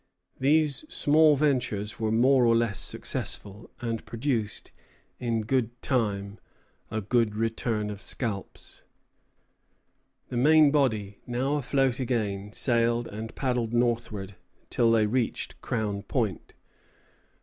These small ventures were more or less successful, and produced, in due time, a good return of scalps. The main body, now afloat again, sailed and paddled northward till they reached Crown Point.